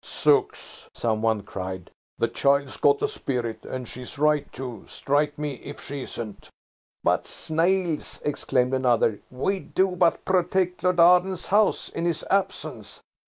"Zooks!" some one cried, "the child's got a spirit; and she's right, too, strike me if she isn't." "But, snails!" exclaimed another, "we do but protect Lord Arden's house in his absence."